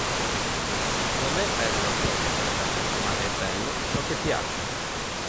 Non è bello ciò che è bello ma è bello ciò che piace.